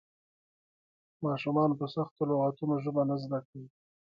ماشومان په سختو لغتونو ژبه نه زده کوي.